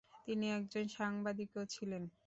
তিনি একজন সাংবাদিকও ছিলেন।